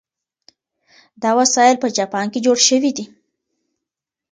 دا وسایل په جاپان کې جوړ شوي دي.